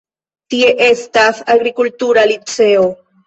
Tie estas agrikultura liceo.